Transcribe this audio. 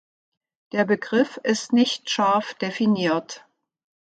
Der Begriff ist nicht scharf definiert.